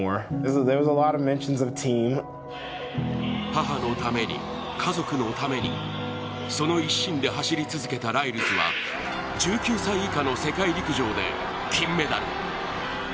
母のために、家族のためにその一心で走り続けたライルズは１９歳以下の世界陸上で金メダル。